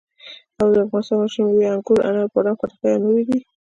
د افغانستان مشهورې مېوې انګور، انار، بادام، خټکي او نورې دي.